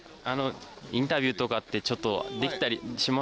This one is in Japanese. インタビューとかってちょっとできたりします？